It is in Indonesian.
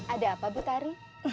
ada apa bu tari